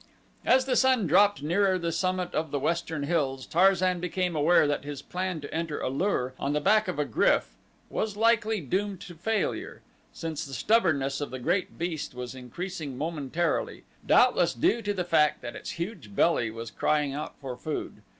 As the sun dropped nearer the summit of the western hills Tarzan became aware that his plan to enter A lur upon the back of a GRYF was likely doomed to failure, since the stubbornness of the great beast was increasing momentarily, doubtless due to the fact that its huge belly was crying out for food.